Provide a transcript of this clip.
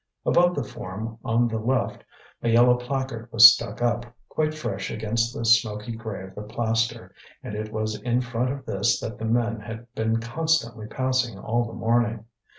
Above the form on the left, a yellow placard was stuck up, quite fresh against the smoky grey of the plaster, and it was in front of this that the men had been constantly passing all the morning.